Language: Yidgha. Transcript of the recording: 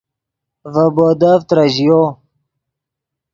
ڤے بودف ترژیو